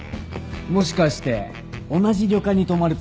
もしかして同じ旅館に泊まるつもりじゃ。